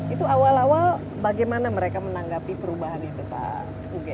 itu awal awal bagaimana mereka menanggapi perubahan itu pak uge